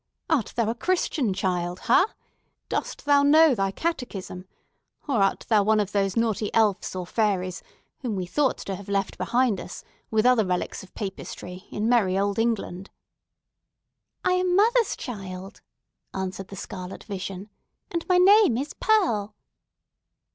Art thou a Christian child—ha? Dost know thy catechism? Or art thou one of those naughty elfs or fairies whom we thought to have left behind us, with other relics of Papistry, in merry old England?" "I am mother's child," answered the scarlet vision, "and my name is Pearl!"